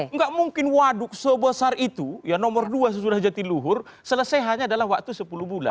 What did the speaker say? enggak mungkin waduk sebesar itu nomor dua sesudah jati luhur selesai hanya dalam waktu sepuluh bulan